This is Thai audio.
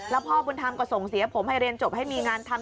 แล้วพ่อบุญธรรมก็ส่งเสียผมให้เรียนจบให้มีงานทำ